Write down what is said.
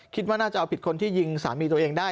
คิดว่าน่าจะเอาผิดคนที่ยิงสามีตัวเองได้